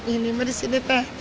ini mah di sini teh